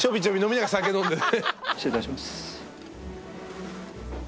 失礼いたします。